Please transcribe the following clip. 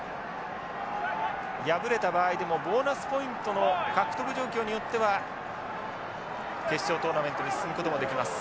敗れた場合でもボーナスポイントの獲得状況によっては決勝トーナメントに進むこともできます。